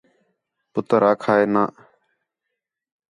پُتر آکھا ہِے نہ